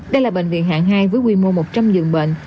đây là bệnh viện hàng hai với quy mô một trăm linh dựng bệnh